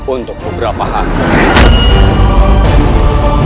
untuk beberapa hari